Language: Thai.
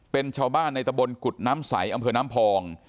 เป็นชาวบ้านในตะบนกุฎน้ำใสอำเภอน้ำพอง